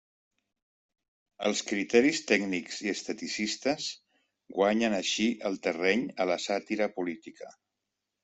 Els criteris tècnics i esteticistes guanyen així el terreny a la sàtira política.